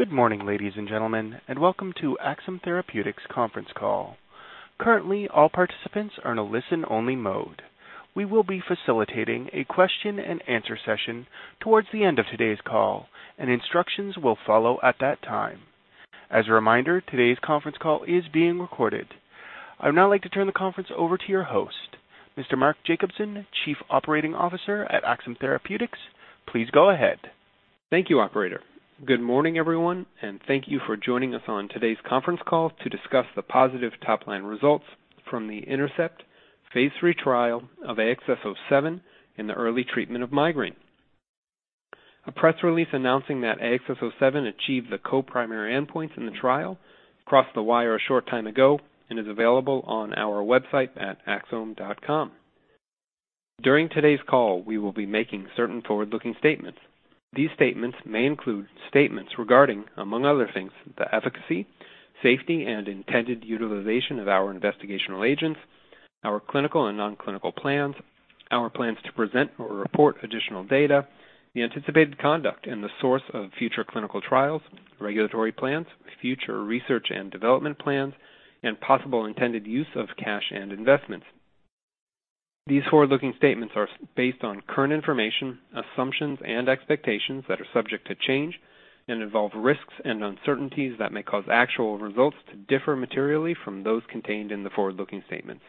Good morning, ladies and gentlemen, and welcome to Axsome Therapeutics' Conference Call. Currently, all participants are in a listen-only mode. We will be facilitating a question and answer session towards the end of today's call, and instructions will follow at that time. As a reminder, today's conference call is being recorded. I would now like to turn the conference over to your host, Mr. Mark Jacobson, Chief Operating Officer at Axsome Therapeutics. Please go ahead. Thank you, operator. Good morning, everyone, thank you for joining us on today's conference call to discuss the positive top-line results from the INTERCEPT phase III trial of AXS-07 in the early treatment of migraine. A press release announcing that AXS-07 achieved the co-primary endpoints in the trial crossed the wire a short time ago and is available on our website at axsome.com. During today's call, we will be making certain forward-looking statements. These statements may include statements regarding, among other things, the efficacy, safety, and intended utilization of our investigational agents, our clinical and non-clinical plans, our plans to present or report additional data, the anticipated conduct and the source of future clinical trials, regulatory plans, future research and development plans, and possible intended use of cash and investments. These forward-looking statements are based on current information, assumptions, and expectations that are subject to change and involve risks and uncertainties that may cause actual results to differ materially from those contained in the forward-looking statements.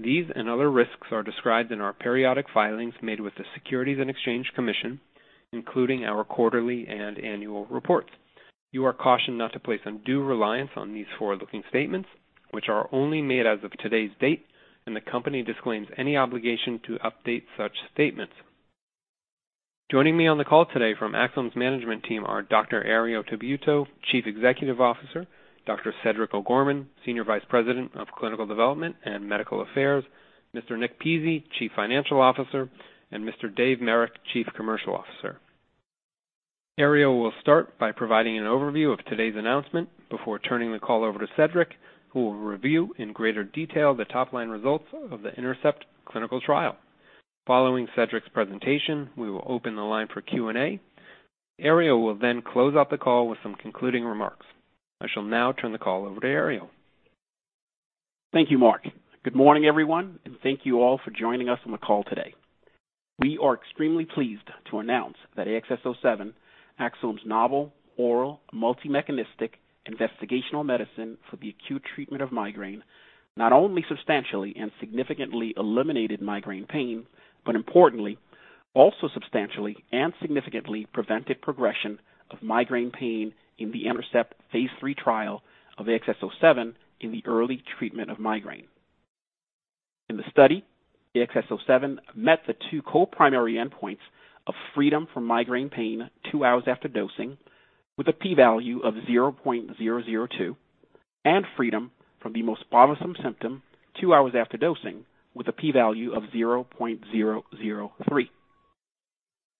These and other risks are described in our periodic filings made with the Securities and Exchange Commission, including our quarterly and annual reports. You are cautioned not to place undue reliance on these forward-looking statements, which are only made as of today's date, and the company disclaims any obligation to update such statements. Joining me on the call today from Axsome's management team are Dr. Herriot Tabuteau, Chief Executive Officer, Dr. Cedric O'Gorman, Senior Vice President of Clinical Development and Medical Affairs, Mr. Nick Pizzie, Chief Financial Officer, and Mr. Dave Marek, Chief Commercial Officer. Herriot will start by providing an overview of today's announcement before turning the call over to Cedric, who will review in greater detail the top-line results of the INTERCEPT clinical trial. Following Cedric's presentation, we will open the line for Q&A. Herriot will close out the call with some concluding remarks. I shall now turn the call over to Herriot. Thank you, Mark. Good morning, everyone, and thank you all for joining us on the call today. We are extremely pleased to announce that AXS-07, Axsome's novel oral multi-mechanistic investigational medicine for the acute treatment of migraine not only substantially and significantly eliminated migraine pain but importantly also substantially and significantly prevented progression of migraine pain in the INTERCEPT phase III trial of AXS-07 in the early treatment of migraine. In the study, AXS-07 met the two co-primary endpoints of freedom from migraine pain two hours after dosing with a P value of 0.002 and freedom from the most bothersome symptom two hours after dosing with a P value of 0.003.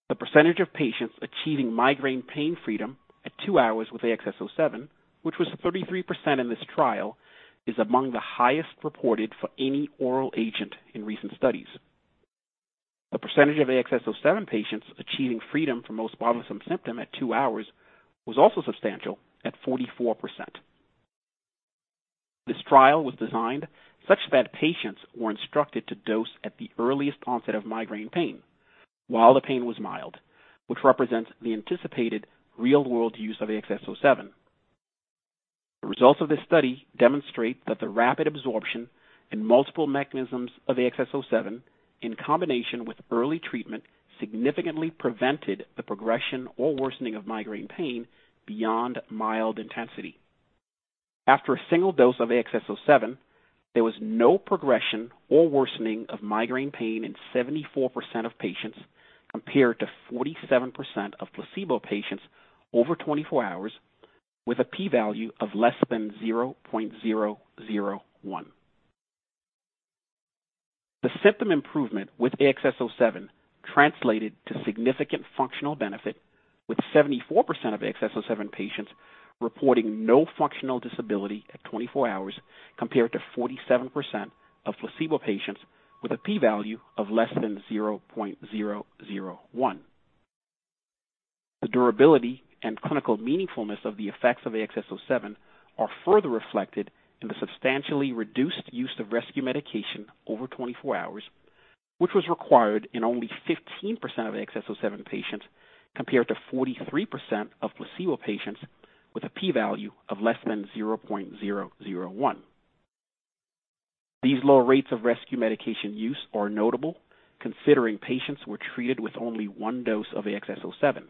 The percentage of patients achieving migraine pain freedom at two hours with AXS-07, which was 33% in this trial, is among the highest reported for any oral agent in recent studies. The percentage of AXS-07 patients achieving freedom from most bothersome symptom at two hours was also substantial at 44%. This trial was designed such that patients were instructed to dose at the earliest onset of migraine pain while the pain was mild, which represents the anticipated real-world use of AXS-07. The results of this study demonstrate that the rapid absorption and multiple mechanisms of AXS-07 in combination with early treatment significantly prevented the progression or worsening of migraine pain beyond mild intensity. After a single dose of AXS-07, there was no progression or worsening of migraine pain in 74% of patients compared to 47% of placebo patients over 24 hours with a P value of less than 0.001. The symptom improvement with AXS-07 translated to significant functional benefit with 74% of AXS-07 patients reporting no functional disability at 24 hours compared to 47% of placebo patients with a P value of less than 0.001. The durability and clinical meaningfulness of the effects of AXS-07 are further reflected in the substantially reduced use of rescue medication over 24 hours, which was required in only 15% of AXS-07 patients compared to 43% of placebo patients with a P value of less than 0.001. These low rates of rescue medication use are notable considering patients were treated with only one dose of AXS-07.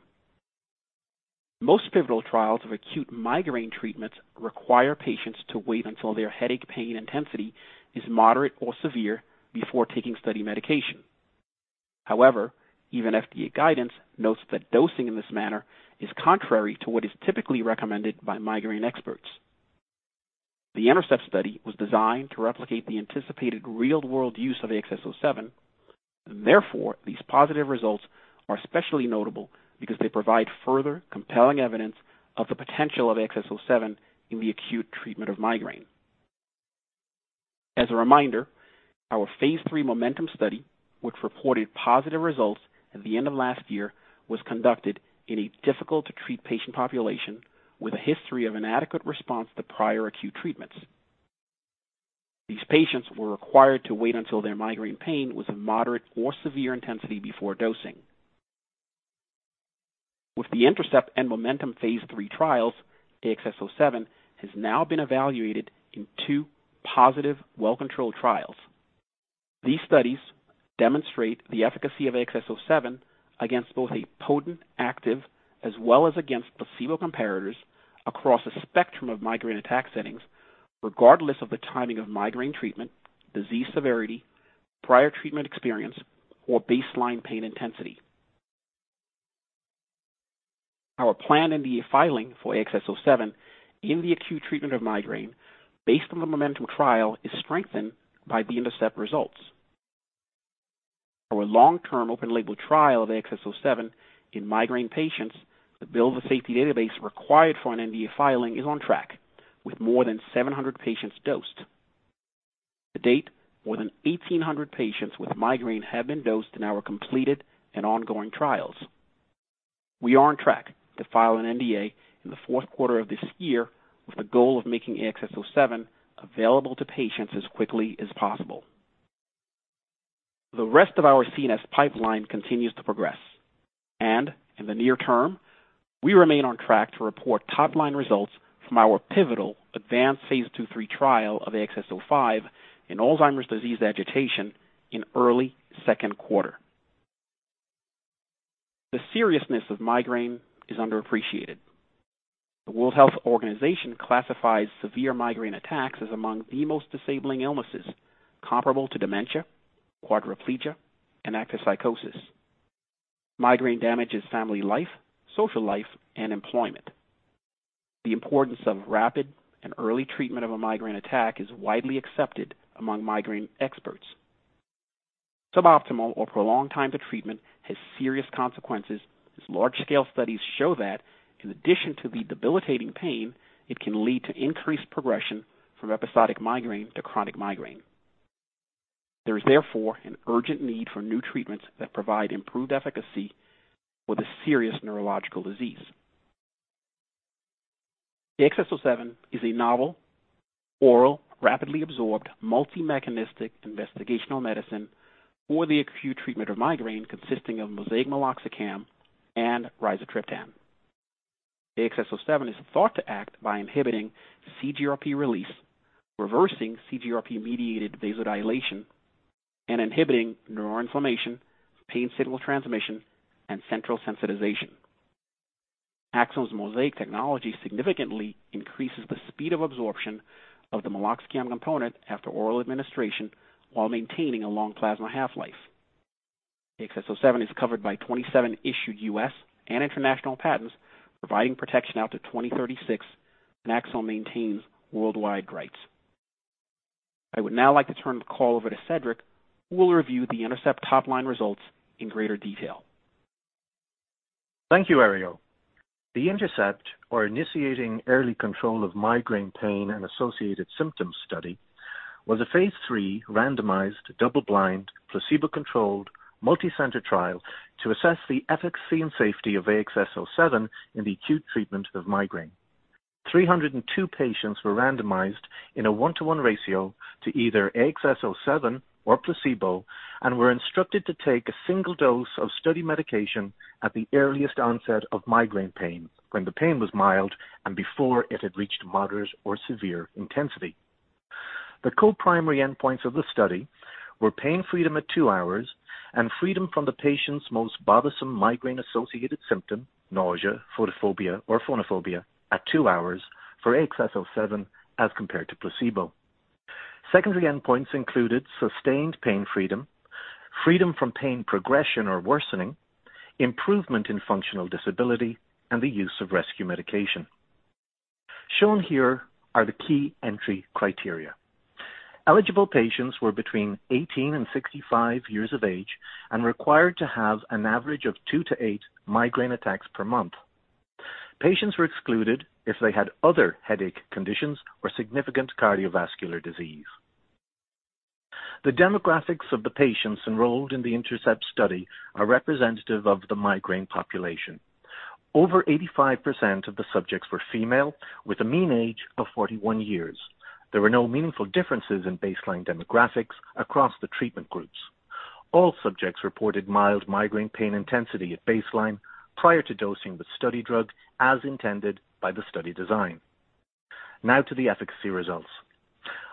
Most pivotal trials of acute migraine treatments require patients to wait until their headache pain intensity is moderate or severe before taking study medication. However, even FDA guidance notes that dosing in this manner is contrary to what is typically recommended by migraine experts. The INTERCEPT study was designed to replicate the anticipated real-world use of AXS-07. Therefore, these positive results are especially notable because they provide further compelling evidence of the potential of AXS-07 in the acute treatment of migraine. As a reminder, our Phase III MOMENTUM study, which reported positive results at the end of last year, was conducted in a difficult to treat patient population with a history of inadequate response to prior acute treatments. These patients were required to wait until their migraine pain was of moderate or severe intensity before dosing. With the INTERCEPT and MOMENTUM Phase III trials, AXS-07 has now been evaluated in two positive, well-controlled trials. These studies demonstrate the efficacy of AXS-07 against both a potent active as well as against placebo comparators across a spectrum of migraine attack settings, regardless of the timing of migraine treatment, disease severity, prior treatment experience, or baseline pain intensity. Our plan in the filing for AXS-07 in the acute treatment of migraine based on the MOMENTUM trial is strengthened by the INTERCEPT results. Our long-term open label trial of AXS-07 in migraine patients to build the safety database required for an NDA filing is on track with more than 700 patients dosed. To date, more than 1,800 patients with migraine have been dosed in our completed and ongoing trials. We are on track to file an NDA in the Q4 of this year with the goal of making AXS-07 available to patients as quickly as possible. The rest of our CNS pipeline continues to progress. In the near term, we remain on track to report top-line results from our pivotal ADVANCE phase II/III trial of AXS-05 in Alzheimer's disease agitation in early Q2. The seriousness of migraine is underappreciated. The World Health Organization classifies severe migraine attacks as among the most disabling illnesses comparable to dementia, quadriplegia, and active psychosis. Migraine damages family life, social life, and employment. The importance of rapid and early treatment of a migraine attack is widely accepted among migraine experts. Suboptimal or prolonged time to treatment has serious consequences, as large-scale studies show that in addition to the debilitating pain, it can lead to increased progression from episodic migraine to chronic migraine. There is therefore an urgent need for new treatments that provide improved efficacy for this serious neurological disease. AXS-07 is a novel oral, rapidly absorbed, multi-mechanistic investigational medicine for the acute treatment of migraine consisting of MoSEIC meloxicam and rizatriptan. AXS-07 is thought to act by inhibiting CGRP release, reversing CGRP-mediated vasodilation, and inhibiting neuroinflammation, pain signal transmission, and central sensitization. Axsome's MoSEIC technology significantly increases the speed of absorption of the meloxicam component after oral administration while maintaining a long plasma half-life. AXS-07 is covered by 27 issued U.S. and international patents, providing protection out to 2036, and Axsome maintains worldwide rights. I would now like to turn the call over to Cedric, who will review the INTERCEPT top-line results in greater detail. Thank you, Herriot. The INTERCEPT, or Initiating Early Control of Migraine Pain and Associated Symptoms study, was a phase III randomized, double-blind, placebo-controlled, multi-center trial to assess the efficacy and safety of AXS-07 in the acute treatment of migraine. 302 patients were randomized in a one-to-one ratio to either AXS-07 or placebo and were instructed to take a single dose of study medication at the earliest onset of migraine pain when the pain was mild and before it had reached moderate or severe intensity. The co-primary endpoints of the study were pain freedom at two hours and freedom from the patient's most bothersome migraine-associated symptom, nausea, photophobia, or phonophobia at two hours for AXS-07 as compared to placebo. Secondary endpoints included sustained pain freedom from pain progression or worsening, improvement in functional disability, and the use of rescue medication. Shown here are the key entry criteria. Eligible patients were between 18 and 65 years of age and required to have an average of two to eight migraine attacks per month. Patients were excluded if they had other headache conditions or significant cardiovascular disease. The demographics of the patients enrolled in the INTERCEPT study are representative of the migraine population. Over 85% of the subjects were female with a mean age of 41 years. There were no meaningful differences in baseline demographics across the treatment groups. All subjects reported mild migraine pain intensity at baseline prior to dosing with study drug as intended by the study design. Now to the efficacy results.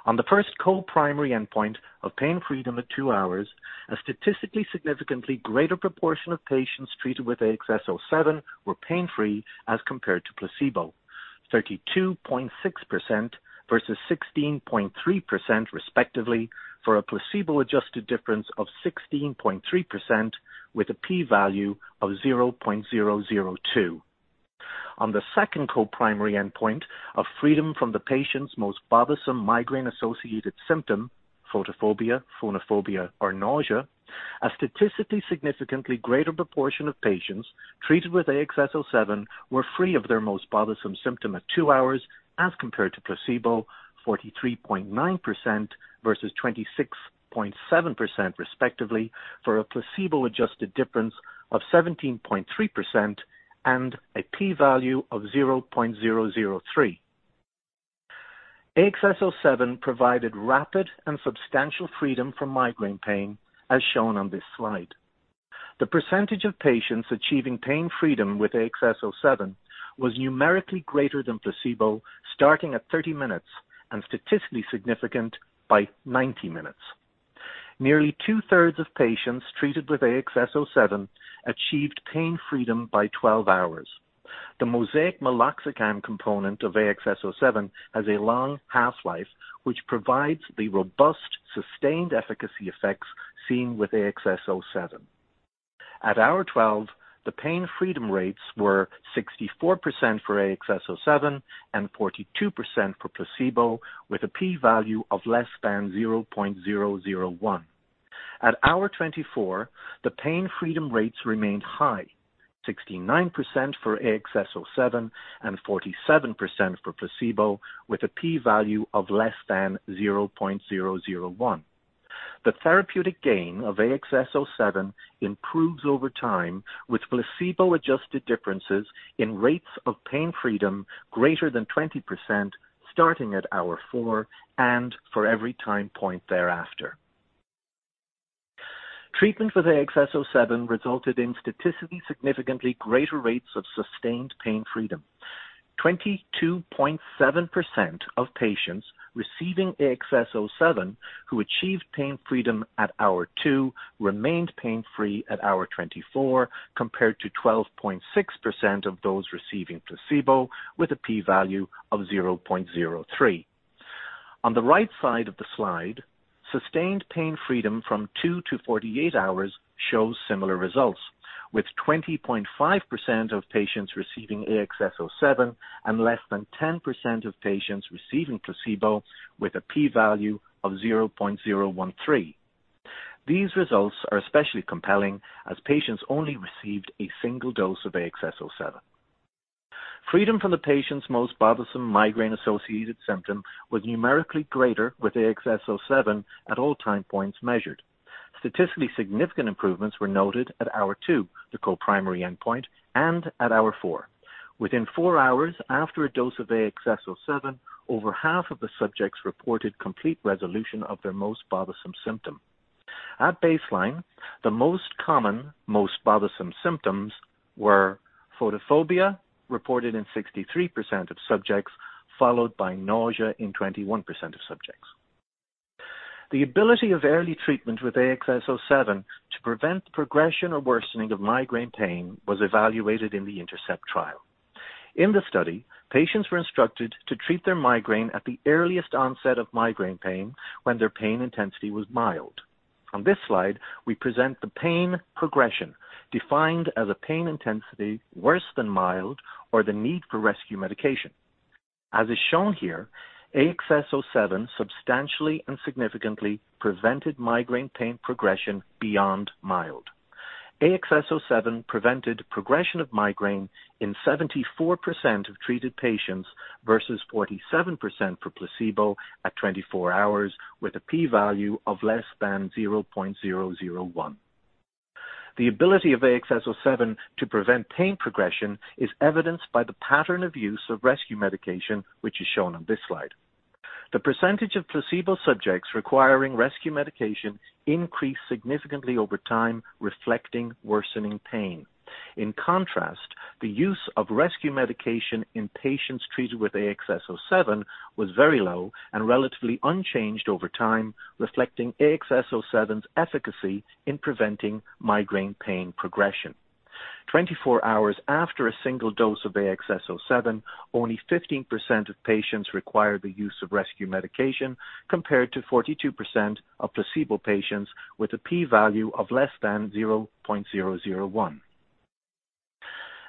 On the first co-primary endpoint of pain freedom at two hours, a statistically significantly greater proportion of patients treated with AXS-07 were pain-free as compared to placebo. 32.6% versus 16.3% respectively, for a placebo-adjusted difference of 16.3% with a P value of 0.002. On the second co-primary endpoint of freedom from the patient's most bothersome migraine-associated symptom, photophobia, phonophobia, or nausea. A statistically significantly greater proportion of patients treated with AXS-07 were free of their most bothersome symptom at two hours as compared to placebo, 43.9% versus 26.7%, respectively, for a placebo-adjusted difference of 17.3% and a P value of 0.003. AXS-07 provided rapid and substantial freedom from migraine pain, as shown on this slide. The percentage of patients achieving pain freedom with AXS-07 was numerically greater than placebo, starting at 30 minutes and statistically significant by 90 minutes. Nearly two-thirds of patients treated with AXS-07 achieved pain freedom by 12 hours. The MoSEIC meloxicam component of AXS-07 has a long half-life, which provides the robust, sustained efficacy effects seen with AXS-07. At hour 12, the pain freedom rates were 64% for AXS-07 and 42% for placebo, with a P value of less than 0.001. At hour 24, the pain freedom rates remained high, 69% for AXS-07 and 47% for placebo, with a P value of less than 0.001. The therapeutic gain of AXS-07 improves over time, with placebo-adjusted differences in rates of pain freedom greater than 20%, starting at hour four and for every time point thereafter. Treatment with AXS-07 resulted in statistically significantly greater rates of sustained pain freedom. 22.7% of patients receiving AXS-07 who achieved pain freedom at hour two remained pain-free at hour 24, compared to 12.6% of those receiving placebo, with a P value of 0.03. On the right side of the slide, sustained pain freedom from 2-48 hours shows similar results, with 20.5% of patients receiving AXS-07 and less than 10% of patients receiving placebo, with a P value of 0.013. These results are especially compelling as patients only received a single dose of AXS-07. Freedom from the patient's most bothersome migraine-associated symptom was numerically greater with AXS-07 at all time points measured. Statistically significant improvements were noted at hour two, the co-primary endpoint, and at hour four. Within four hours after a dose of AXS-07, over half of the subjects reported complete resolution of their most bothersome symptom. At baseline, the most common, most bothersome symptoms were photophobia, reported in 63% of subjects, followed by nausea in 21% of subjects. The ability of early treatment with AXS-07 to prevent progression or worsening of migraine pain was evaluated in the INTERCEPT trial. In the study, patients were instructed to treat their migraine at the earliest onset of migraine pain when their pain intensity was mild. On this slide, we present the pain progression, defined as a pain intensity worse than mild or the need for rescue medication. As is shown here, AXS-07 substantially and significantly prevented migraine pain progression beyond mild. AXS-07 prevented progression of migraine in 74% of treated patients versus 47% for placebo at 24 hours with a P value of less than 0.001. The ability of AXS-07 to prevent pain progression is evidenced by the pattern of use of rescue medication, which is shown on this slide. The percentage of placebo subjects requiring rescue medication increased significantly over time, reflecting worsening pain. In contrast, the use of rescue medication in patients treated with AXS-07 was very low and relatively unchanged over time, reflecting AXS-07's efficacy in preventing migraine pain progression. 24 hours after a single dose of AXS-07, only 15% of patients required the use of rescue medication, compared to 42% of placebo patients with a P value of less than 0.001.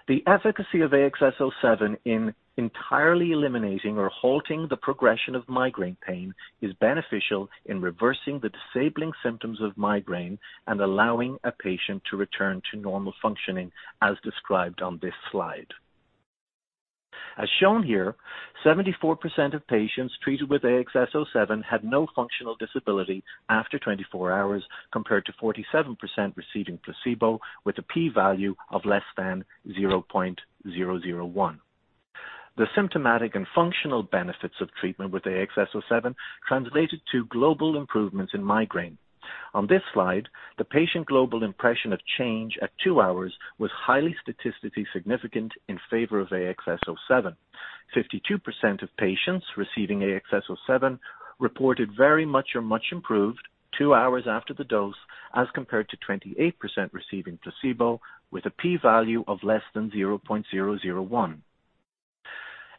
The efficacy of AXS-07 in entirely eliminating or halting the progression of migraine pain is beneficial in reversing the disabling symptoms of migraine and allowing a patient to return to normal functioning, as described on this slide. As shown here, 74% of patients treated with AXS-07 had no functional disability after 24 hours, compared to 47% receiving placebo with a P value of less than 0.001. The symptomatic and functional benefits of treatment with AXS-07 translated to global improvements in migraine. On this slide, the Patient Global Impression of Change at two hours was highly statistically significant in favor of AXS-07. 52% of patients receiving AXS-07 reported very much or much improved two hours after the dose, as compared to 28% receiving placebo, with a P value of less than 0.001.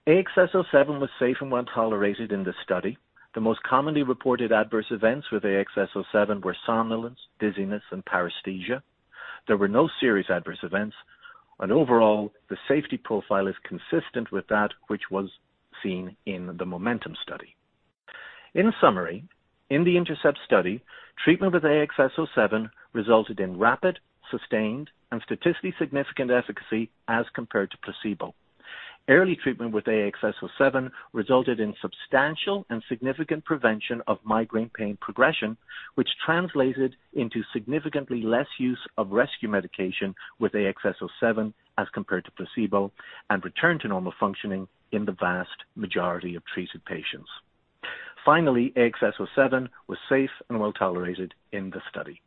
AXS-07 was safe and well-tolerated in the study. The most commonly reported adverse events with AXS-07 were somnolence, dizziness, and paresthesia. There were no serious adverse events, and overall, the safety profile is consistent with that which was seen in the MOMENTUM study. In summary, in the INTERCEPT study, treatment with AXS-07 resulted in rapid, sustained, and statistically significant efficacy as compared to placebo. Early treatment with AXS-07 resulted in substantial and significant prevention of migraine pain progression, which translated into significantly less use of rescue medication with AXS-07 as compared to placebo, and return to normal functioning in the vast majority of treated patients. Finally, AXS-07 was safe and well-tolerated in the study.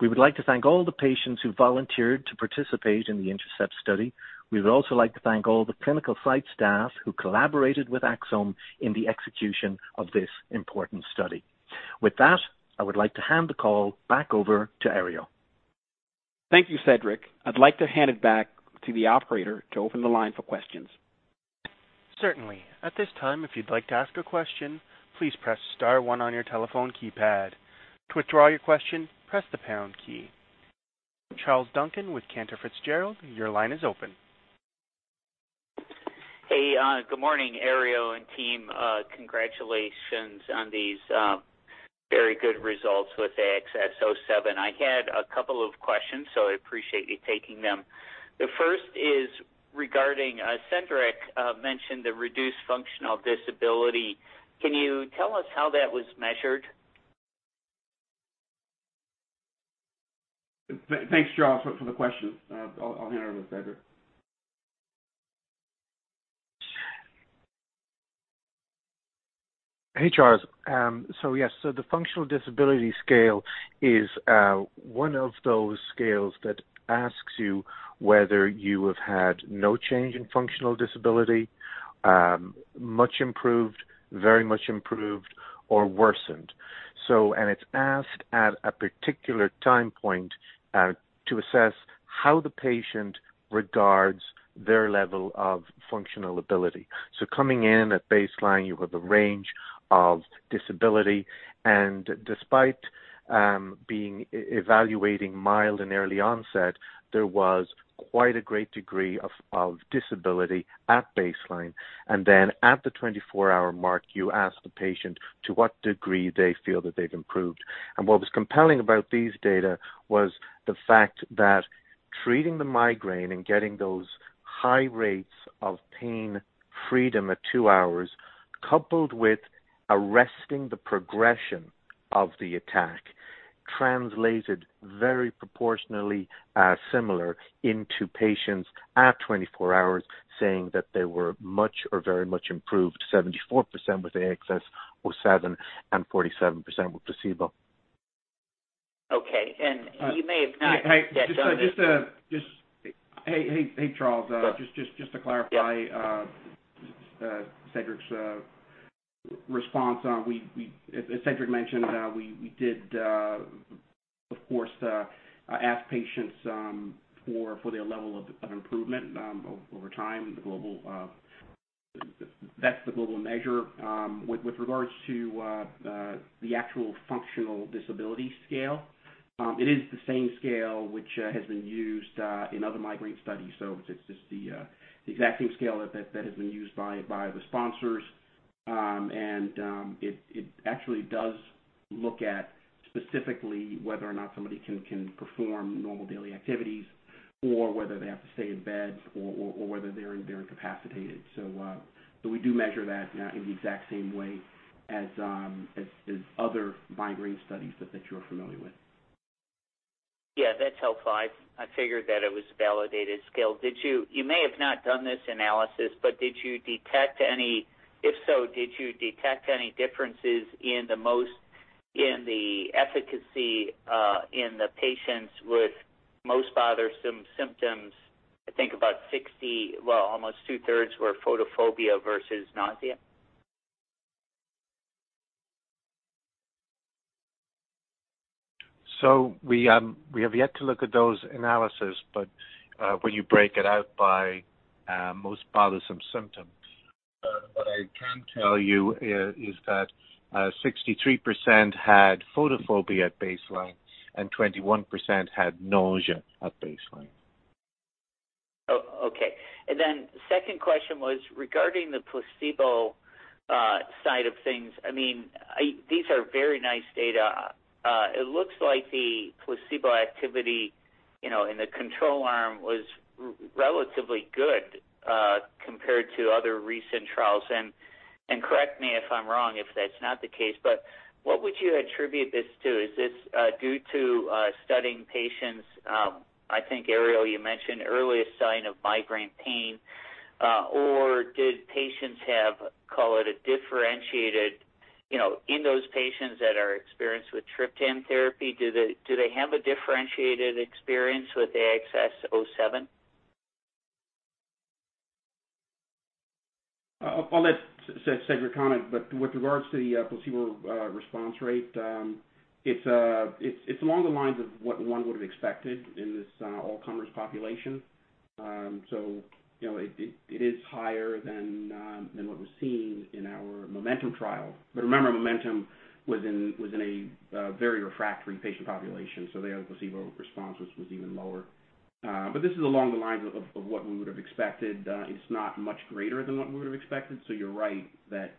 We would like to thank all the patients who volunteered to participate in the INTERCEPT study. We would also like to thank all the clinical site staff who collaborated with Axsome in the execution of this important study. With that, I would like to hand the call back over to Herriot. Thank you, Cedric. I'd like to hand it back to the operator to open the line for questions. Certainly. At this time, if you'd like to ask a question, please press star one on your telephone keypad. To withdraw your question, press the pound key. Charles Duncan with Cantor Fitzgerald, your line is open. Hey. Good morning, Herriot and team. Congratulations on these very good results with AXS-07. I had a couple of questions, so I appreciate you taking them. The first is regarding Cedric mentioned the reduced functional disability. Can you tell us how that was measured? Thanks, Charles, for the question. I'll hand it over to Cedric. Hey, Charles. Yes. The functional disability scale is one of those scales that asks you whether you have had no change in functional disability, much improved, very much improved, or worsened. It's asked at a particular time point to assess how the patient regards their level of functional ability. Coming in at baseline, you have a range of disability, and despite evaluating mild and early onset, there was quite a great degree of disability at baseline. Then at the 24-hour mark, you ask the patient to what degree they feel that they've improved. What was compelling about these data was the fact that treating the migraine and getting those high rates of pain freedom at two hours, coupled with arresting the progression of the attack, translated very proportionally similar into patients at 24 hours saying that they were much or very much improved, 74% with AXS-07 and 47% with placebo. Okay. you may have not yet done this. Hey, Charles. Yeah. Just to clarify Cedric's response. As Cedric mentioned, we did, of course, ask patients for their level of improvement over time. That's the global measure. With regards to the actual functional disability scale, it is the same scale which has been used in other migraine studies. It's just the exact same scale that has been used by the sponsors. It actually does look at specifically whether or not somebody can perform normal daily activities or whether they have to stay in bed or whether they're incapacitated. We do measure that in the exact same way as other migraine studies that you're familiar with. Yeah. That's helpful. I figured that it was a validated scale. You may have not done this analysis, but if so, did you detect any differences in the efficacy in the patients with most bothersome symptoms? I think about 60, well, almost two-thirds were photophobia versus nausea. We have yet to look at those analysis when you break it out by most bothersome symptoms. What I can tell you is that 63% had photophobia at baseline and 21% had nausea at baseline. Okay. Second question was regarding the placebo side of things. These are very nice data. It looks like the placebo activity in the control arm was relatively good compared to other recent trials. Correct me if I'm wrong if that's not the case, but what would you attribute this to? Is this due to studying patients, I think, Herriot, you mentioned earliest sign of migraine pain, or in those patients that are experienced with triptan therapy, do they have a differentiated experience with AXS-07? I'll let Cedric comment, with regards to the placebo response rate, it's along the lines of what one would have expected in this all-comers population. It is higher than what was seen in our MOMENTUM trial. Remember, MOMENTUM was in a very refractory patient population. There, placebo response was even lower. This is along the lines of what we would've expected. It's not much greater than what we would've expected, so you're right that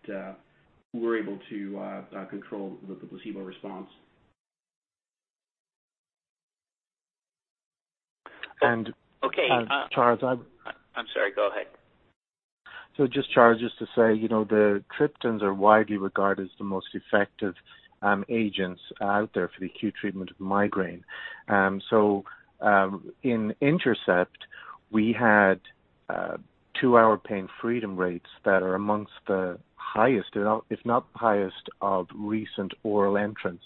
we were able to control the placebo response. Charles, Okay. I'm sorry, go ahead. Just, Charles, just to say, the triptans are widely regarded as the most effective agents out there for the acute treatment of migraine. In INTERCEPT, we had two-hour pain freedom rates that are amongst the highest, if not the highest, of recent oral entrants.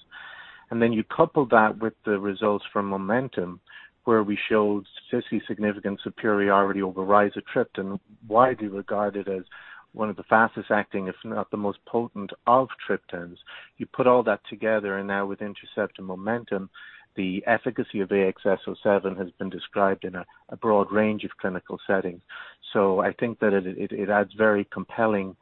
You couple that with the results from MOMENTUM, where we showed statistically significant superiority over rizatriptan, widely regarded as one of the fastest acting, if not the most potent, of triptans. You put all that together, and now with INTERCEPT and MOMENTUM, the efficacy of AXS-07 has been described in a broad range of clinical settings. I think that it adds very compelling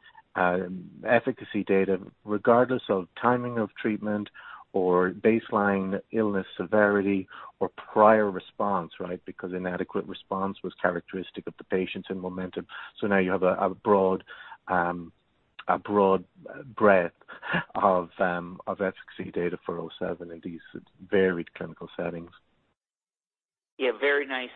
efficacy data regardless of timing of treatment or baseline illness severity or prior response, right? Because inadequate response was characteristic of the patients in MOMENTUM. Now you have a broad breadth of efficacy data for AXS-07 in these varied clinical settings. Yeah, very nice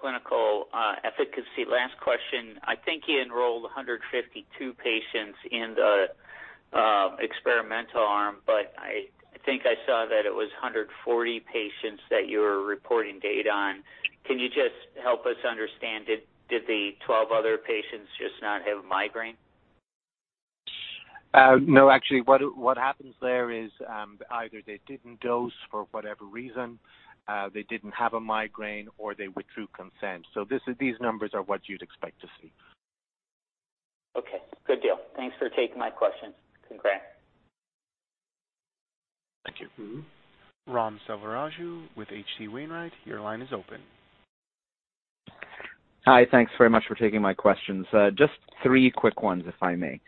clinical efficacy. Last question. I think you enrolled 152 patients in the experimental arm, I think I saw that it was 140 patients that you were reporting data on. Can you just help us understand, did the 12 other patients just not have migraine? No, actually, what happens there is either they didn't dose for whatever reason, they didn't have a migraine, or they withdrew consent. These numbers are what you'd expect to see. Okay, good deal. Thanks for taking my questions. Congrats. Thank you. Ram Selvaraju with H.C. Wainwright, your line is open. Hi. Thanks very much for taking my questions. Just three quick ones, if I may.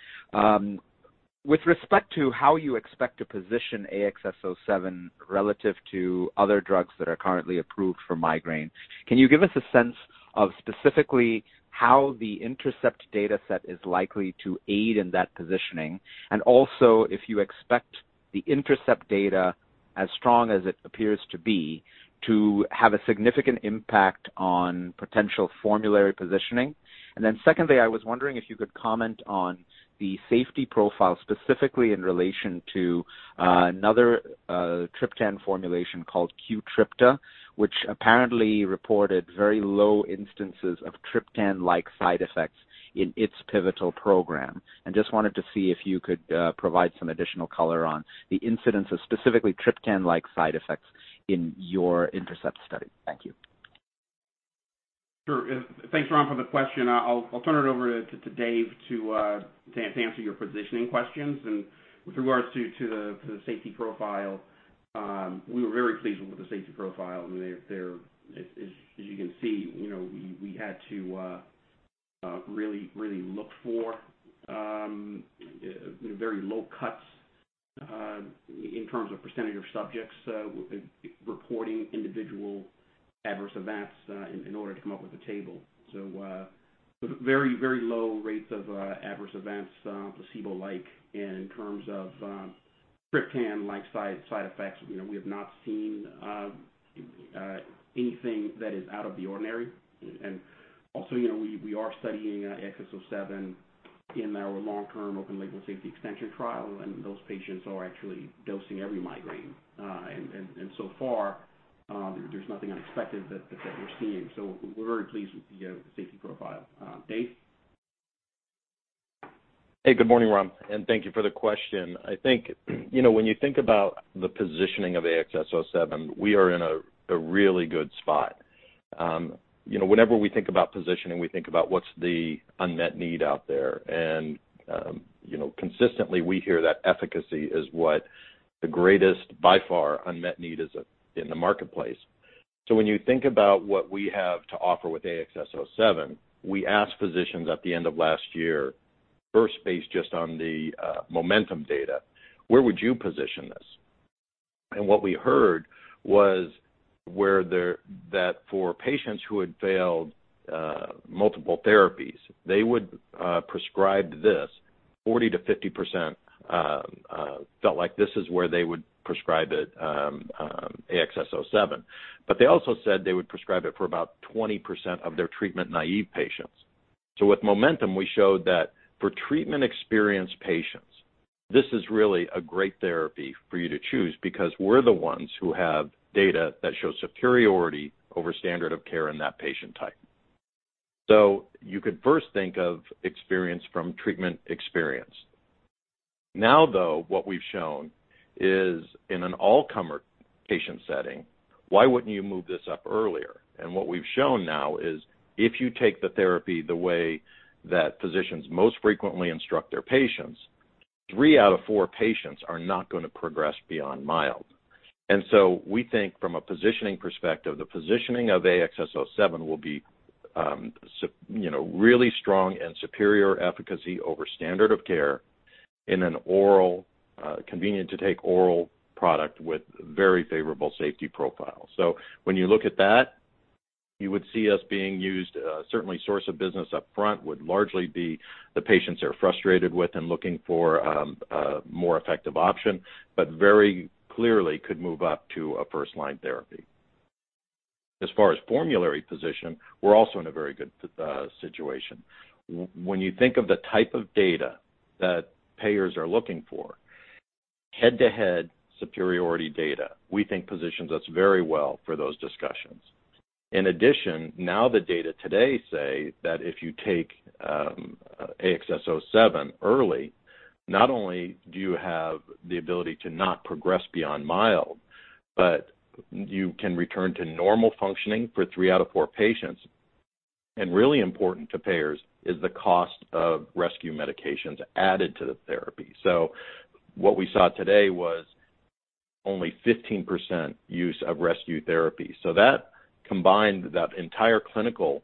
With respect to how you expect to position AXS-07 relative to other drugs that are currently approved for migraine, can you give us a sense of specifically how the INTERCEPT data set is likely to aid in that positioning? Also, if you expect the INTERCEPT data, as strong as it appears to be, to have a significant impact on potential formulary positioning. Then secondly, I was wondering if you could comment on the safety profile, specifically in relation to another triptan formulation called Qtrypta, which apparently reported very low instances of triptan-like side effects in its pivotal program. Just wanted to see if you could provide some additional color on the incidence of specifically triptan-like side effects in your INTERCEPT study. Thank you. Sure. Thanks, Ram, for the question. I'll turn it over to Dave to answer your positioning questions. With regards to the safety profile, we were very pleased with the safety profile. As you can see, we had to really look for very low cuts in terms of percentage of subjects reporting individual adverse events in order to come up with a table. So very low rates of adverse events, placebo-like in terms of triptan-like side effects. We have not seen anything that is out of the ordinary. Also, we are studying AXS-07 in our long-term open label safety extension trial, and those patients are actually dosing every migraine. So far, there's nothing unexpected that we're seeing. So we're very pleased with the safety profile. Dave? Hey, good morning, Ram, thank you for the question. I think, when you think about the positioning of AXS-07, we are in a really good spot. Whenever we think about positioning, we think about what's the unmet need out there. Consistently, we hear that efficacy is what the greatest, by far, unmet need is in the marketplace. When you think about what we have to offer with AXS-07, we asked physicians at the end of last year, first based just on the MOMENTUM data, "Where would you position this?" What we heard was that for patients who had failed multiple therapies, they would prescribe this. 40%-50% felt like this is where they would prescribe it, AXS-07. They also said they would prescribe it for about 20% of their treatment-naive patients. With MOMENTUM, we showed that for treatment-experienced patients, this is really a great therapy for you to choose because we're the ones who have data that shows superiority over standard of care in that patient type. You could first think of experience from treatment experience. What we've shown is in an all-comer patient setting, why wouldn't you move this up earlier? What we've shown now is if you take the therapy the way that physicians most frequently instruct their patients, three out of four patients are not going to progress beyond mild. We think from a positioning perspective, the positioning of AXS-07 will be really strong and superior efficacy over standard of care in an oral, convenient to take oral product with very favorable safety profile. When you look at that, you would see us being used, certainly source of business up front would largely be the patients they're frustrated with and looking for a more effective option, but very clearly could move up to a first-line therapy. As far as formulary position, we're also in a very good situation. When you think of the type of data that payers are looking for, head-to-head superiority data, we think positions us very well for those discussions. In addition, now the data today say that if you take AXS-07 early, not only do you have the ability to not progress beyond mild, but you can return to normal functioning for three out of four patients. Really important to payers is the cost of rescue medications added to the therapy. What we saw today was only 15% use of rescue therapy. That combined, that entire clinical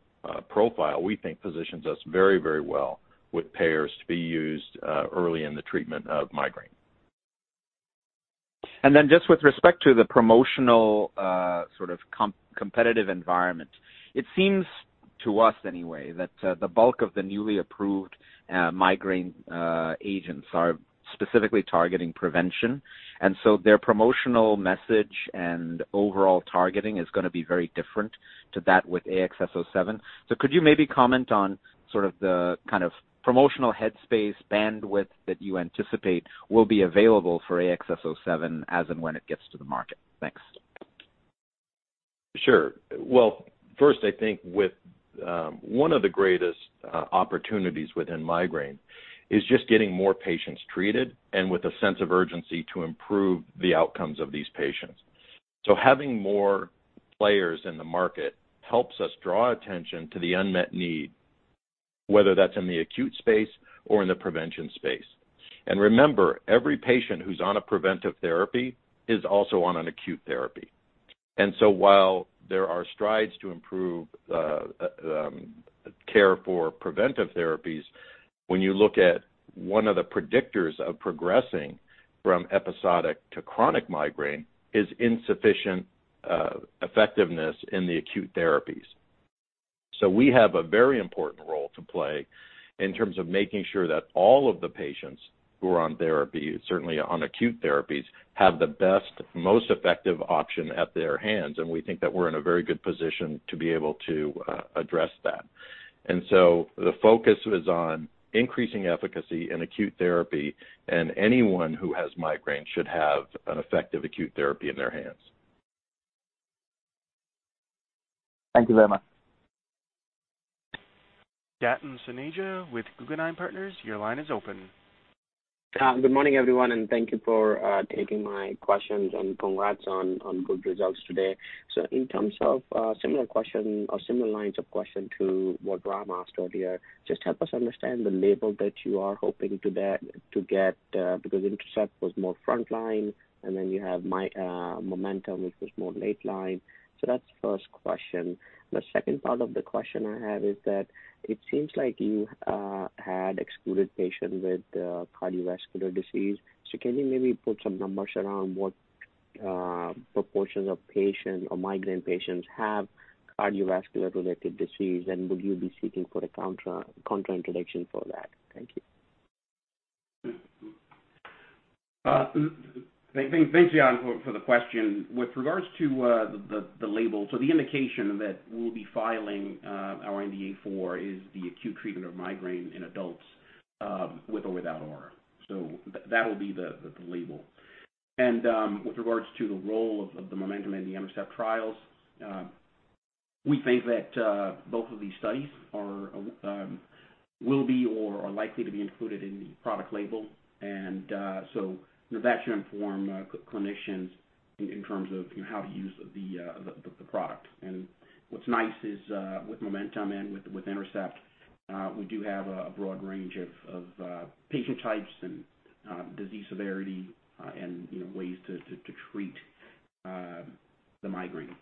profile, we think positions us very well with payers to be used early in the treatment of migraine. Just with respect to the promotional sort of competitive environment, it seems to us anyway, that the bulk of the newly approved migraine agents are specifically targeting prevention. Their promotional message and overall targeting is going to be very different to that with AXS-07. Could you maybe comment on sort of the kind of promotional headspace bandwidth that you anticipate will be available for AXS-07 as and when it gets to the market? Thanks. Well, first, I think with one of the greatest opportunities within migraine is just getting more patients treated and with a sense of urgency to improve the outcomes of these patients. Having more players in the market helps us draw attention to the unmet need, whether that's in the acute space or in the prevention space. Remember, every patient who's on a preventive therapy is also on an acute therapy. While there are strides to improve care for preventive therapies, when you look at one of the predictors of progressing from episodic to chronic migraine is insufficient effectiveness in the acute therapies. We have a very important role to play in terms of making sure that all of the patients who are on therapy, certainly on acute therapies, have the best, most effective option at their hands. We think that we're in a very good position to be able to address that. The focus is on increasing efficacy in acute therapy, and anyone who has migraine should have an effective acute therapy in their hands. Thank you very much. Yatin Suneja with Guggenheim Partners, your line is open. Good morning, everyone, and thank you for taking my questions and congrats on good results today. In terms of similar question or similar lines of question to what Ram asked earlier, just help us understand the label that you are hoping to get because INTERCEPT was more frontline, and then you have MOMENTUM, which was more lateline. That's the first question. The second part of the question I have is that it seems like you had excluded patients with cardiovascular disease. Can you maybe put some numbers around what proportions of patients or migraine patients have cardiovascular-related disease, and will you be seeking for a contraindication for that? Thank you. Thanks, Yatin, for the question. With regards to the label, the indication that we'll be filing our NDA for is the acute treatment of migraine in adults with or without aura. That will be the label. With regards to the role of the MOMENTUM and the INTERCEPT trials, we think that both of these studies will be or are likely to be included in the product label. That should inform clinicians in terms of how to use the product. What's nice is with MOMENTUM and with INTERCEPT, we do have a broad range of patient types and disease severity and ways to treat the migraine.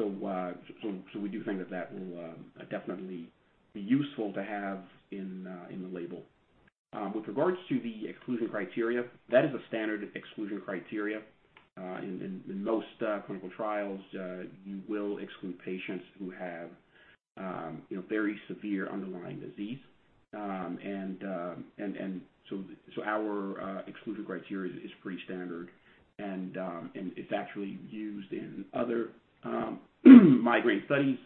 We do think that that will definitely be useful to have in the label. With regards to the exclusion criteria, that is a standard exclusion criteria. In most clinical trials, you will exclude patients who have very severe underlying disease. Our exclusion criteria is pretty standard, and it's actually used in other migraine studies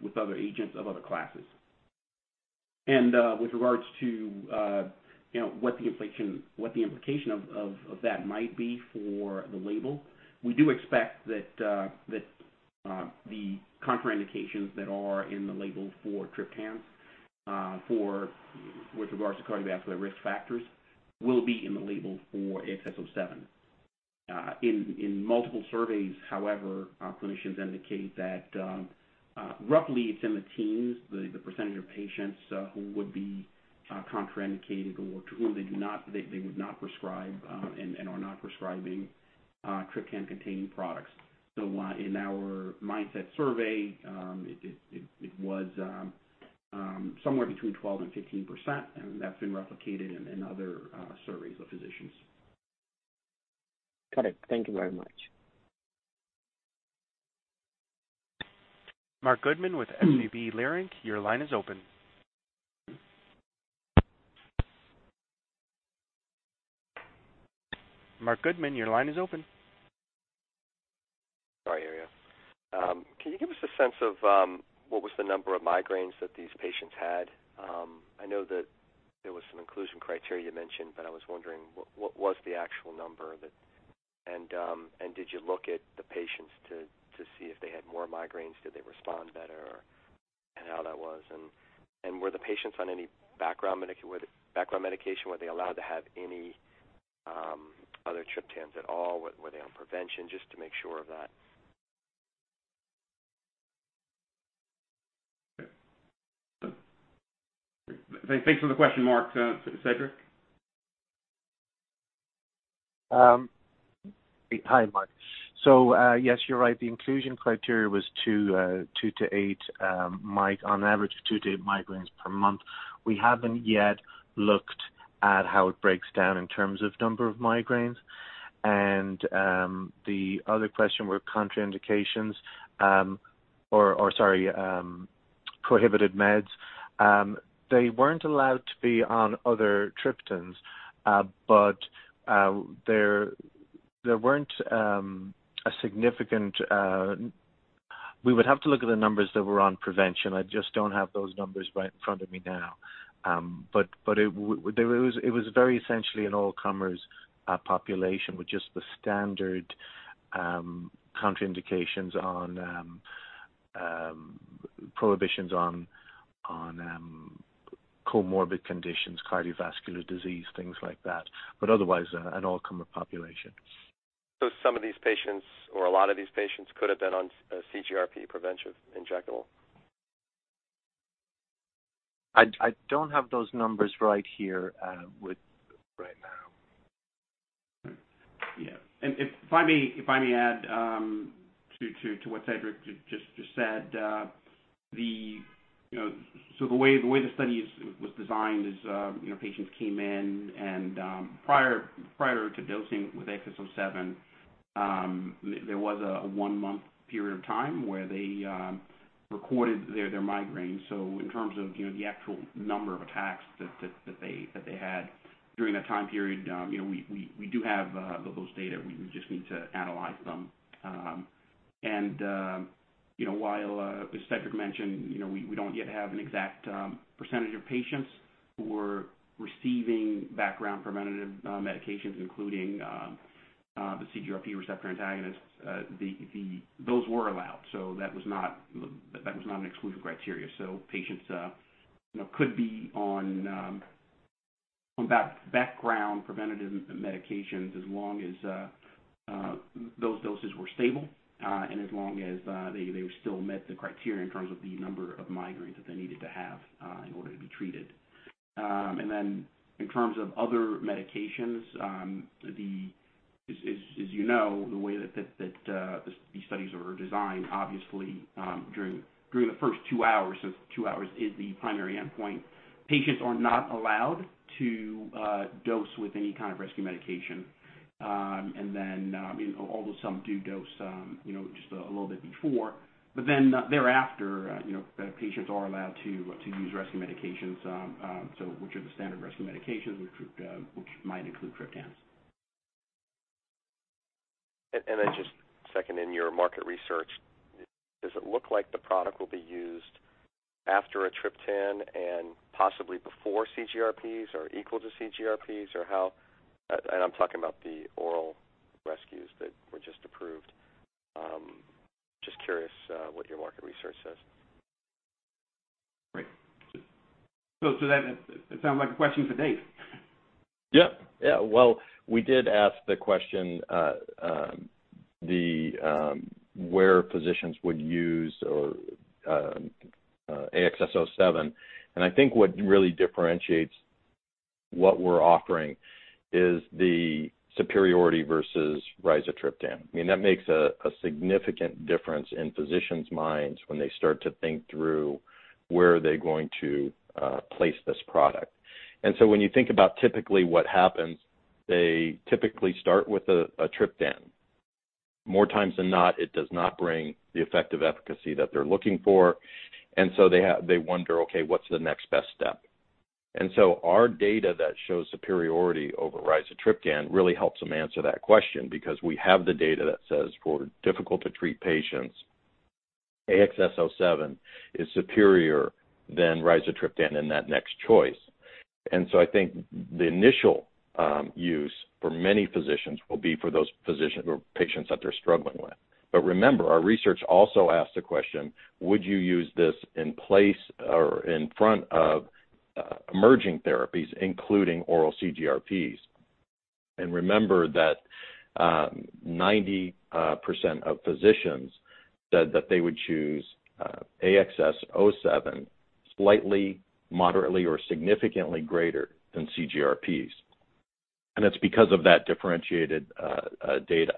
with other agents of other classes. With regards to what the implication of that might be for the label, we do expect that the contraindications that are in the label for triptans with regards to cardiovascular risk factors will be in the label for AXS-07. In multiple surveys, however, clinicians indicate that roughly it's in the teens, the percentage of patients who would be contraindicated or to whom they would not prescribe and are not prescribing triptan-containing products. In our Mindset survey, it was somewhere between 12% and 15%. That's been replicated in other surveys of physicians. Got it. Thank you very much. Marc Goodman with SVB Leerink, your line is open. Marc Goodman, your line is open. Sorry, I hear you. Can you give us a sense of what was the number of migraines that these patients had? I know that there was some inclusion criteria mentioned, but I was wondering, what was the actual number? Did you look at the patients to see if they had more migraines, did they respond better, and how that was? Were the patients on any background medication? Were they allowed to have any other triptans at all? Were they on prevention, just to make sure of that? Thanks for the question, Marc. Cedric? Hi, Mark. Yes, you're right. The inclusion criteria was on average two to eight migraines per month. We haven't yet looked at how it breaks down in terms of number of migraines. The other question were contraindications, or sorry, prohibited meds. They weren't allowed to be on other triptans, there weren't a significant. We would have to look at the numbers that were on prevention. I just don't have those numbers right in front of me now. It was very essentially an all-comers population with just the standard contraindications on prohibitions on comorbid conditions, cardiovascular disease, things like that, but otherwise, an all-comer population. Some of these patients, or a lot of these patients could have been on CGRP prevention injectable? I don't have those numbers right here with right now. Yeah. If I may add to what Cedric just said, the way the study was designed is patients came in and prior to dosing with AXS-07, there was a one-month period of time where they recorded their migraines. In terms of the actual number of attacks that they had during that time period, we do have those data. We just need to analyze them. While, as Cedric mentioned, we don't yet have an exact percentage of patients who were receiving background preventative medications, including the CGRP receptor antagonists. Those were allowed. That was not an exclusion criteria. Patients could be on background preventative medications as long as those doses were stable and as long as they still met the criteria in terms of the number of migraines that they needed to have in order to be treated. In terms of other medications, as you know, the way that these studies are designed, obviously, during the first two hours, since two hours is the primary endpoint, patients are not allowed to dose with any kind of rescue medication. Although some do dose just a little bit before, thereafter, patients are allowed to use rescue medications, which are the standard rescue medications, which might include triptans. Then just second, in your market research, does it look like the product will be used after a triptan and possibly before CGRPs or equal to CGRPs? I'm talking about the oral rescues that were just approved. Just curious what your market research says? Great. That sounds like a question for Dave. Well, we did ask the question where physicians would use AXS-07, I think what really differentiates what we're offering is the superiority versus rizatriptan. That makes a significant difference in physicians' minds when they start to think through where are they going to place this product. When you think about typically what happens, they typically start with a triptan. More times than not, it does not bring the effective efficacy that they're looking for, they wonder, okay, what's the next best step? Our data that shows superiority over rizatriptan really helps them answer that question because we have the data that says for difficult to treat patients, AXS-07 is superior than rizatriptan in that next choice. I think the initial use for many physicians will be for those patients that they're struggling with. Remember, our research also asked the question, would you use this in place or in front of emerging therapies, including oral CGRPs? Remember that 90% of physicians said that they would choose AXS-07 slightly, moderately, or significantly greater than CGRPs. It's because of that differentiated data.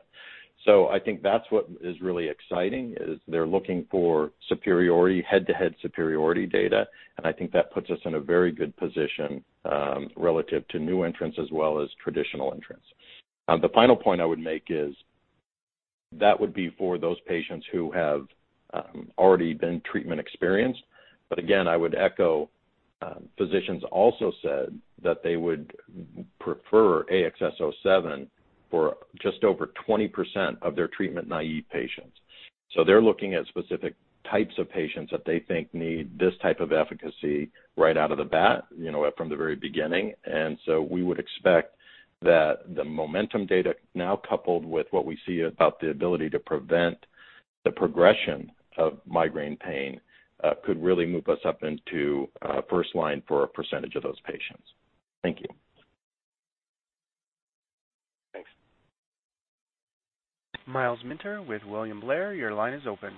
I think that's what is really exciting, is they're looking for head-to-head superiority data, and I think that puts us in a very good position relative to new entrants as well as traditional entrants. The final point I would make is that would be for those patients who have already been treatment experienced. Again, I would echo, physicians also said that they would prefer AXS-07 for just over 20% of their treatment-naive patients. They're looking at specific types of patients that they think need this type of efficacy right out of the bat from the very beginning. We would expect that the MOMENTUM data, now coupled with what we see about the ability to prevent the progression of migraine pain could really move us up into first line for a percentage of those patients. Thank you. Thanks. Myles Minter with William Blair, your line is open.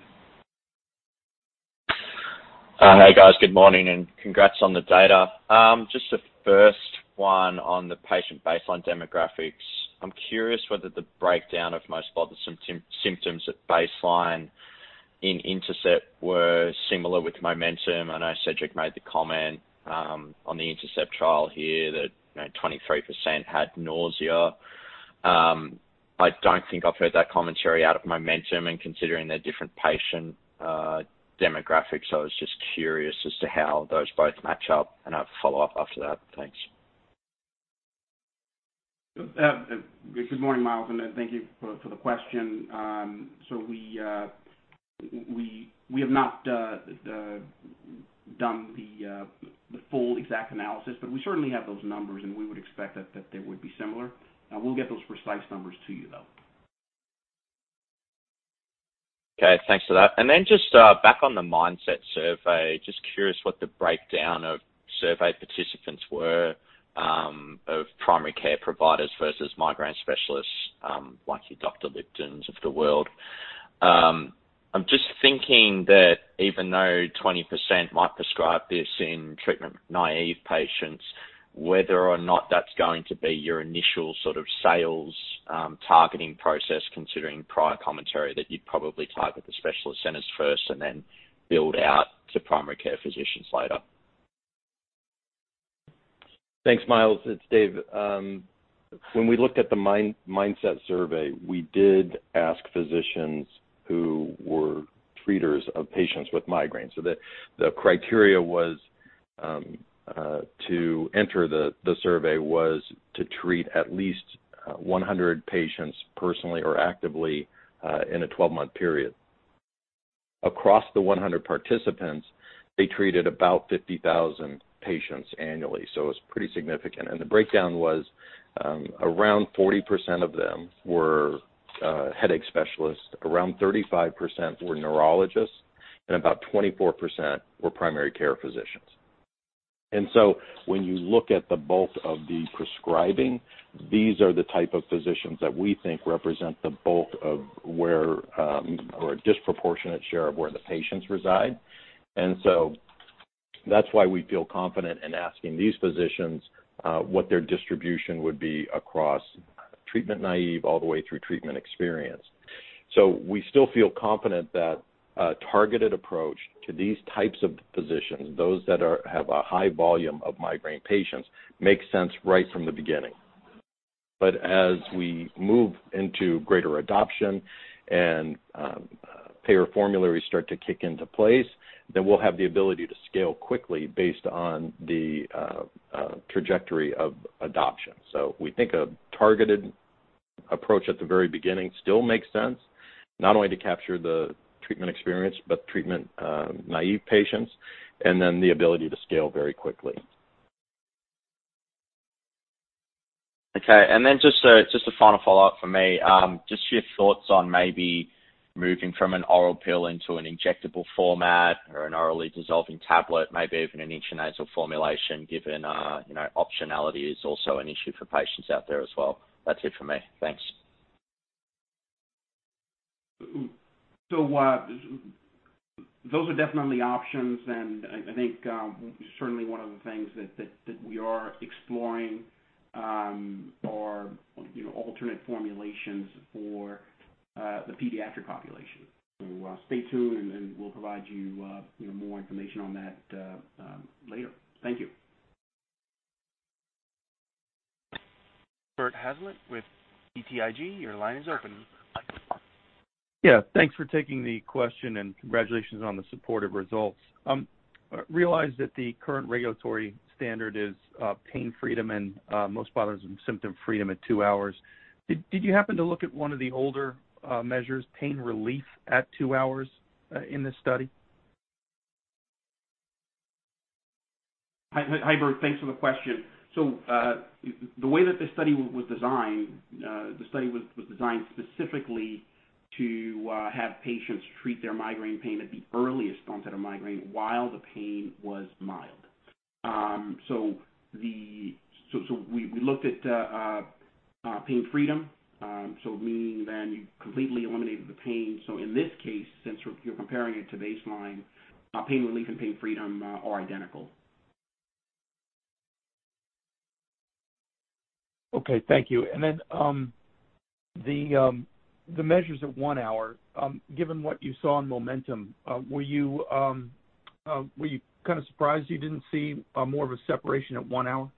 Hi, guys. Good morning. Congrats on the data. Just the first one on the patient baseline demographics. I'm curious whether the breakdown of most bothersome symptoms at baseline in INTERCEPT were similar with MOMENTUM. I know Cedric made the comment on the INTERCEPT trial here that 23% had nausea. I don't think I've heard that commentary out of MOMENTUM. Considering their different patient demographics, I was just curious as to how those both match up. I have a follow-up after that. Thanks. Good morning, Myles, thank you for the question. We have not done the full exact analysis, but we certainly have those numbers, and we would expect that they would be similar. We'll get those precise numbers to you, though. Okay. Thanks for that. Then just back on the Mindset survey, just curious what the breakdown of survey participants were of primary care providers versus migraine specialists, like your Richard Lipton of the world. I'm just thinking that even though 20% might prescribe this in treatment-naive patients, whether or not that's going to be your initial sort of sales targeting process considering prior commentary that you'd probably target the specialist centers first and then build out to primary care physicians later. Thanks, Myles. It's Dave. When we looked at the Mindset survey, we did ask physicians who were treaters of patients with migraines. The criteria to enter the survey was to treat at least 100 patients personally or actively in a 12-month period. The breakdown was around 40% of them were headache specialists, around 35% were neurologists, and about 24% were primary care physicians. When you look at the bulk of the prescribing, these are the type of physicians that we think represent the bulk of where, or a disproportionate share of where the patients reside. That's why we feel confident in asking these physicians what their distribution would be across treatment-naive all the way through treatment-experienced. We still feel confident that a targeted approach to these types of physicians, those that have a high volume of migraine patients, makes sense right from the beginning. As we move into greater adoption and payer formularies start to kick into place, then we'll have the ability to scale quickly based on the trajectory of adoption. We think a targeted approach at the very beginning still makes sense, not only to capture the treatment-experienced, but treatment-naive patients, and then the ability to scale very quickly. Okay. Just a final follow-up from me. Just your thoughts on maybe moving from an oral pill into an injectable format or an orally dissolving tablet, maybe even an intranasal formulation, given optionality is also an issue for patients out there as well. That's it from me. Thanks. Those are definitely options, and I think certainly one of the things that we are exploring are alternate formulations for the pediatric population. Stay tuned, and we'll provide you more information on that later. Thank you. Bert Hazlett with BTIG. Your line is open. Yeah, thanks for taking the question and congratulations on the supportive results. I realize that the current regulatory standard is pain freedom and most bothersome symptom freedom at two hours. Did you happen to look at one of the older measures, pain relief at two hours in this study? Hi, Bert. Thanks for the question. The way that this study was designed, the study was designed specifically to have patients treat their migraine pain at the earliest onset of migraine while the pain was mild. We looked at pain freedom, meaning then you completely eliminated the pain. In this case, since you're comparing it to baseline, pain relief and pain freedom are identical. Okay. Thank you. The measures at one hour, given what you saw in MOMENTUM, were you kind of surprised you didn't see more of a separation at one hour?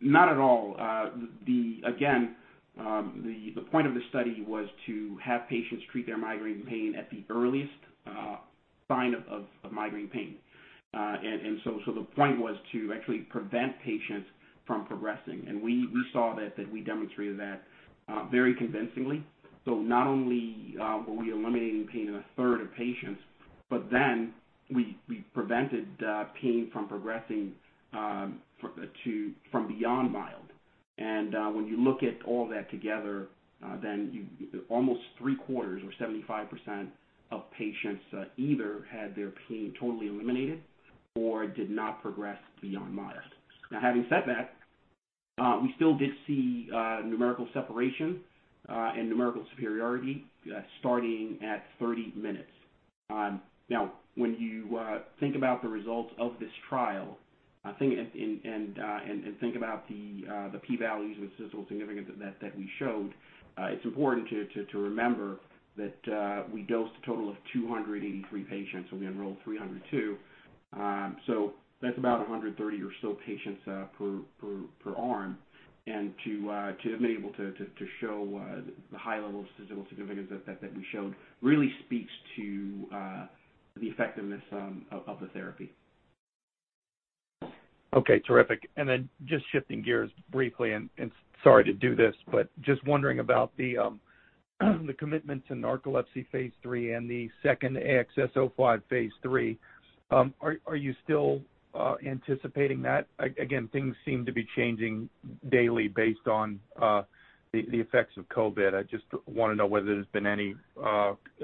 Not at all. Again, the point of the study was to have patients treat their migraine pain at the earliest sign of migraine pain. The point was to actually prevent patients from progressing. We saw that, we demonstrated that very convincingly. Not only were we eliminating pain in a third of patients, but then we prevented pain from progressing from beyond mild. When you look at all that together, then almost three quarters or 75% of patients either had their pain totally eliminated or did not progress beyond mild. Now, having said that, we still did see numerical separation and numerical superiority starting at 30 minutes. Now, when you think about the results of this trial and think about the p-values with statistical significance that we showed, it's important to remember that we dosed a total of 283 patients, and we enrolled 302. That's about 130 or so patients per arm. To have been able to show the high level of statistical significance that we showed really speaks to the effectiveness of the therapy. Okay. Terrific. Just shifting gears briefly, and sorry to do this, but just wondering about the commitment to narcolepsy phase III and the second AXS-05 phase III. Are you still anticipating that? Again, things seem to be changing daily based on the effects of COVID. I just want to know whether there's been any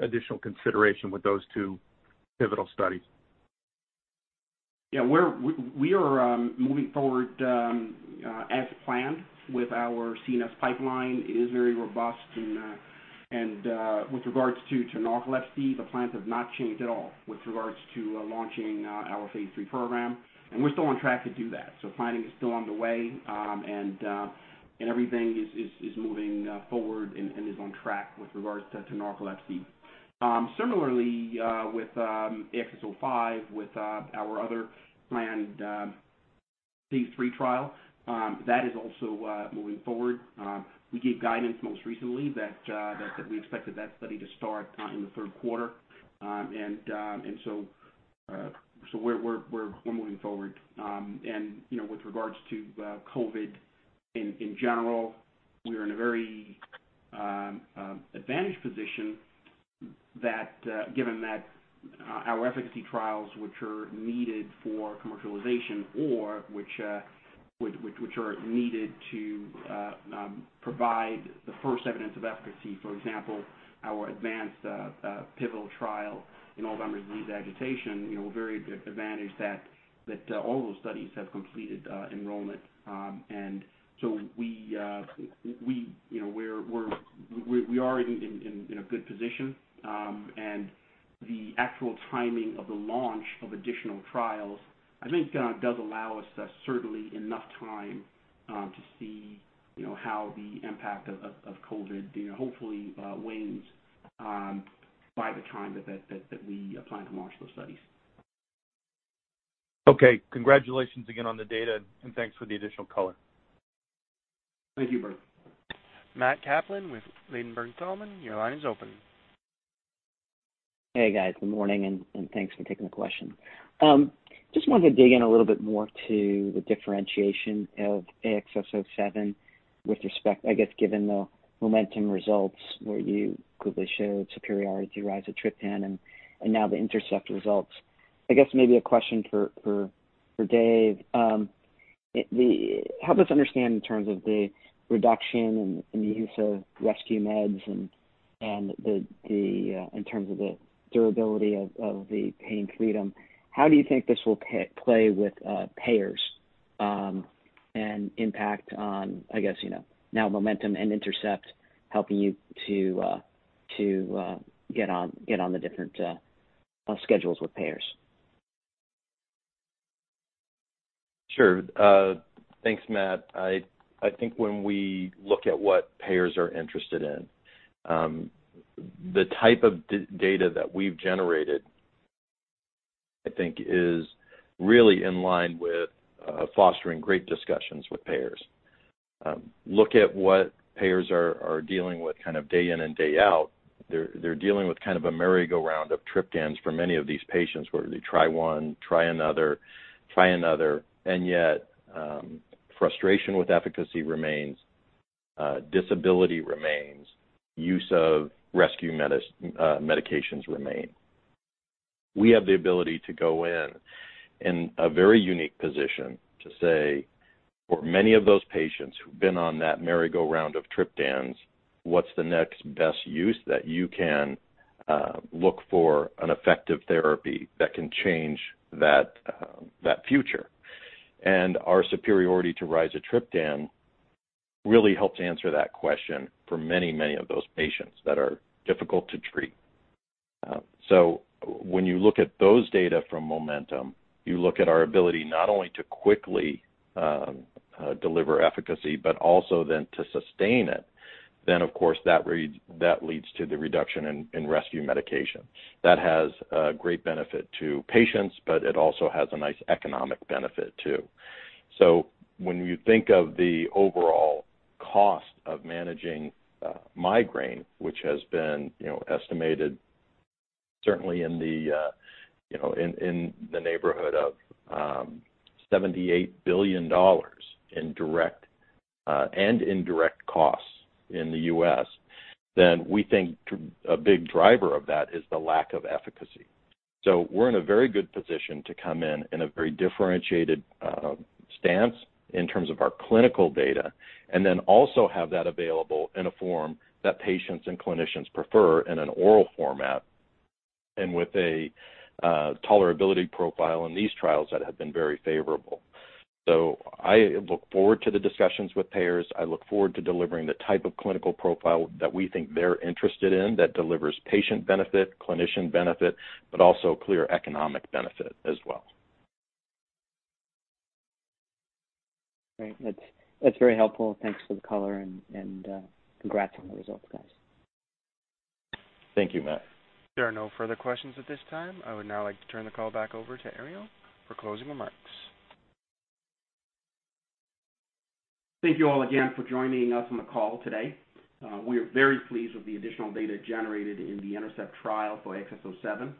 additional consideration with those two pivotal studies. Yeah, we are moving forward as planned with our CNS pipeline. It is very robust. With regards to narcolepsy, the plans have not changed at all with regards to launching our phase III program, and we're still on track to do that. Planning is still underway, and everything is moving forward and is on track with regards to narcolepsy. Similarly with AXS-05, with our other planned phase III trial, that is also moving forward. We gave guidance most recently that we expected that study to start in the Q3. We're moving forward. With regards to COVID in general, we are in a very advantaged position given that our efficacy trials, which are needed for commercialization or which are needed to provide the first evidence of efficacy, for example, our ADVANCE pivotal trial in Alzheimer's disease agitation, we're very advantaged that all those studies have completed enrollment. We are in a good position. The actual timing of the launch of additional trials, I think, does allow us certainly enough time to see how the impact of COVID hopefully wanes by the time that we plan to launch those studies. Okay. Congratulations again on the data. Thanks for the additional color. Thank you, Bert. Matt Kaplan with Ladenburg Thalmann, your line is open. Hey, guys. Good morning, and thanks for taking the question. Just wanted to dig in a little bit more to the differentiation of AXS-07 with respect, I guess, given the MOMENTUM results where you clearly showed superiority rizatriptan and now the INTERCEPT results. I guess maybe a question for Dave. Help us understand in terms of the reduction in the use of rescue meds and in terms of the durability of the pain freedom, how do you think this will play with payers and impact on, I guess, now MOMENTUM and INTERCEPT helping you to get on the different schedules with payers? Sure. Thanks, Matt. I think when we look at what payers are interested in, the type of data that we've generated, I think, is really in line with fostering great discussions with payers. Look at what payers are dealing with kind of day in and day out. They're dealing with kind of a merry-go-round of triptans for many of these patients where they try one, try another, try another. Yet frustration with efficacy remains, disability remains, use of rescue medications remain. We have the ability to go in a very unique position to say, For many of those patients who've been on that merry-go-round of triptans, what's the next best use that you can look for an effective therapy that can change that future? Our superiority to rizatriptan really helps answer that question for many of those patients that are difficult to treat. When you look at those data from MOMENTUM, you look at our ability not only to quickly deliver efficacy, but also then to sustain it. Of course, that leads to the reduction in rescue medication. That has a great benefit to patients, but it also has a nice economic benefit, too. When you think of the overall cost of managing migraine, which has been estimated certainly in the neighborhood of $78 billion in direct and indirect costs in the U.S., then we think a big driver of that is the lack of efficacy. We're in a very good position to come in in a very differentiated stance in terms of our clinical data, and then also have that available in a form that patients and clinicians prefer in an oral format, and with a tolerability profile in these trials that have been very favorable. I look forward to the discussions with payers. I look forward to delivering the type of clinical profile that we think they're interested in that delivers patient benefit, clinician benefit, but also clear economic benefit as well. Great. That's very helpful. Thanks for the color and congrats on the results, guys. Thank you, Matt. There are no further questions at this time. I would now like to turn the call back over to Herriot for closing remarks. Thank you all again for joining us on the call today. We are very pleased with the additional data generated in the INTERCEPT trial for AXS-07,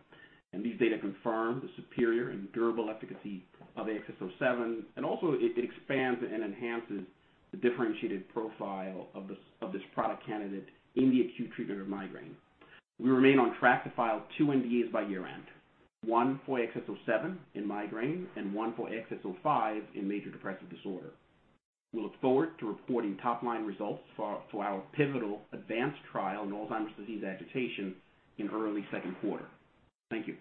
and these data confirm the superior and durable efficacy of AXS-07, and also it expands and enhances the differentiated profile of this product candidate in the acute treatment of migraine. We remain on track to file two NDAs by year-end, one for AXS-07 in migraine and one for AXS-05 in major depressive disorder. We look forward to reporting top-line results for our pivotal ADVANCE trial in Alzheimer's disease agitation in early Q2. Thank you.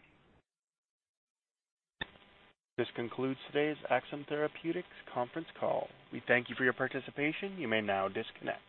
This concludes today's Axsome Therapeutics conference call. We thank you for your participation. You may now disconnect.